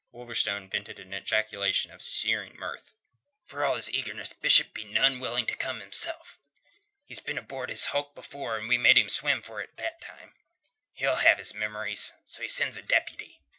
Wolverstone vented an ejaculation of sneering mirth. "For all his eagerness, Bishop'd be none so willing to come, hisself. He's been aboard this hulk afore, and we made him swim for it that time. He'll have his memories. So he sends a deputy."